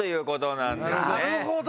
なるほど。